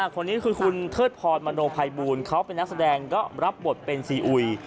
คนนี้คือคุณเทิดพรมโนภัยบูลเขาเป็นนักแสดงก็รับบทเป็นซีอุย